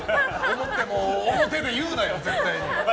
思っても表で言うなよ、絶対に。